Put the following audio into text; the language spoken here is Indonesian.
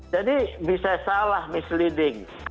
jadi bisa salah misleading